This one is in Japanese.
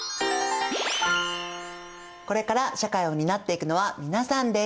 これから社会を担っていくのは皆さんです！